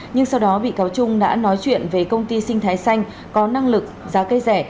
nhưng sau đó bị cáo trung đã nói chuyện về công ty sinh thái xanh có năng lực giá cây rẻ